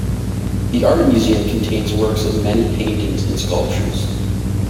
The Art museum contains works of many paintings and sculptures.